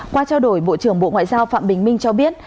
qua trao đổi bộ trưởng bộ ngoại giao phạm bình minh cho biết